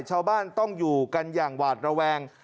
ชาวบ้านต้องอยู่กันอย่างหวาดระแวง